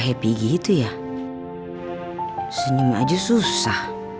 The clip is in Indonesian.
yang tak tetap lagi mahasiswa